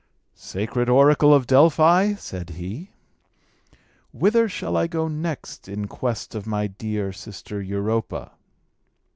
"Sacred oracle of Delphi," said he, "whither shall I go next in quest of my dear sister Europa?"